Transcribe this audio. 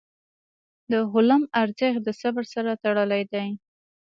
د حلم ارزښت د صبر سره تړلی دی.